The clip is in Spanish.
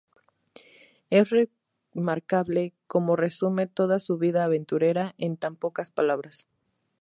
Es remarcable cómo resume toda su vida aventurera en tan pocas palabras.